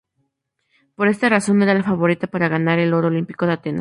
Por esta razón no era la favorita para ganar el oro olímpico en Atenas.